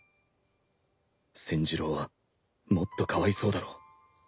千寿郎はもっとかわいそうだろう